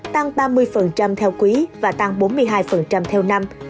tăng ba mươi theo quý và tăng bốn mươi hai theo năm